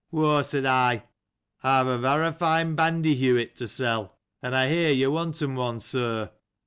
Why, said I, I've a very fine bandyhewit to sell ; and I hear you want one, Sir.